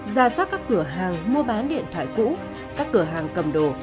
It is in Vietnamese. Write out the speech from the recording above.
ra soát các cửa hàng mua bán điện thoại cũ các cửa hàng cầm đồ